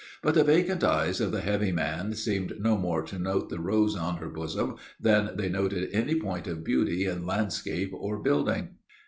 But the vacant eyes of the heavy man seemed no more to note the rose on her bosom than they noted any point of beauty in landscape or building.